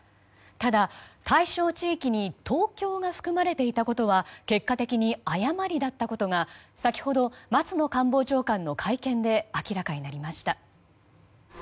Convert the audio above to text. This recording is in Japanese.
ただ対象地域に東京が含まれていたことは結果的に誤りだったことが先ほど、松野官房長官の会見で明らかになりました。